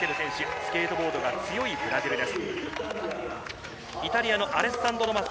スケートボードが強いブラジルです。